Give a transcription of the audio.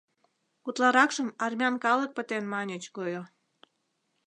Утларакшым армян калык пытен маньыч гойо...